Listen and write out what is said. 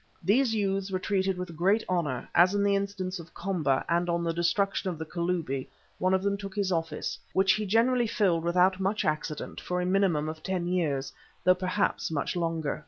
These youths were treated with great honour, as in the instance of Komba and on the destruction of the Kalubi, one of them took his office, which he generally filled without much accident, for a minimum of ten years, and perhaps much longer.